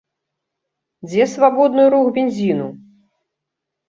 Дзе свабодны рух бензіну?